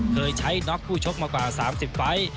เคยใช้น็อกคู่ชกมากว่า๓๐ไฟล์